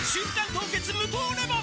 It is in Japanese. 凍結無糖レモン」